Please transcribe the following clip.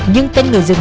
nhưng tên người dân